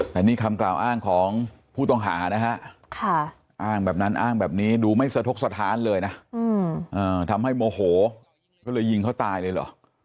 แต่นี่คำกล่าวอ้างของผู้ต้องหานะฮะอ้างแบบนั้นอ้างแบบนี้ดูไม่สะทกสถานเลยนะทำให้โมโหก็เลยยิงเขาตายเลยเหรอ